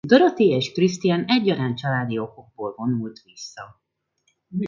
Dorothy és Christine egyaránt családi okokból vonult vissza.